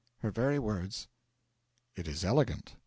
Her very words.' 'It is elegant.